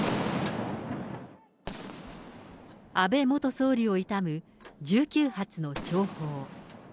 安倍元総理を悼む１９発の弔砲。